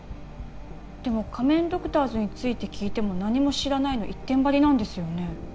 でも仮面ドクターズについて聞いても「何も知らない」の一点張りなんですよね